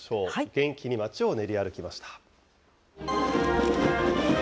元気に町を練り歩きました。